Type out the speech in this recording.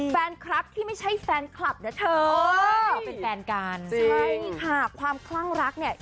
แฟนคลับที่ไม่ใช่แฟนคลับนะเธอเป็นแฟนกันใช่ค่ะความคลั่งรักเนี่ย